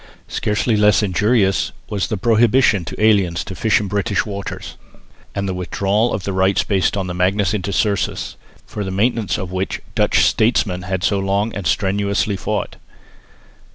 Scarcely less injurious was the prohibition to aliens to fish in British waters, and the withdrawal of the rights based on the Magnus Intercursus, for the maintenance of which Dutch statesmen had so long and strenuously fought.